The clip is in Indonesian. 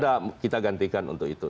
kita gantikan untuk itu